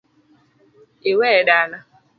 Iweye dala?